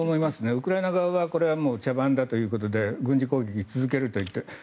ウクライナ側はこれはもう茶番だということで軍事攻撃を続けているといっている。